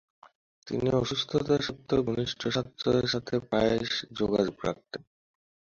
তিনি অসুস্থতা সত্ত্বেও, ঘনিষ্ঠ ছাত্রদের সাথে প্রায়শই যোগাযোগ রাখতেন।